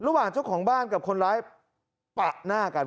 ระหว่างเจ้าของบ้านกับคนร้ายปะหน้ากัน